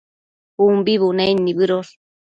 umbi bunaid nibëdosh